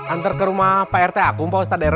antar ke rumah pak rt akum pak ustadz rw